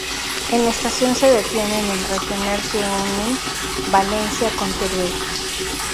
En la estación se detienen el Regional que unen Valencia con Teruel.